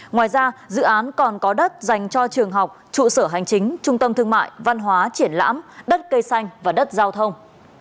ngoài ra dự án còn có đất dành cho trường học trụ sở hành chính trung tâm thương mại văn hóa triển lãm đất cây xanh và đất giao thông